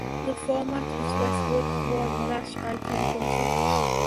The format is Westwood One "Nash Icon" country.